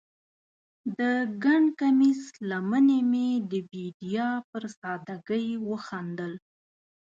د ګنډ کمیس لمنې مې د بیدیا پر سادګۍ وخندل